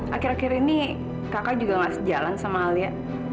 akhir akhir ini kakak juga gak sejalan sama alia